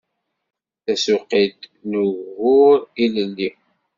Tasuqilt n ugbur ilelli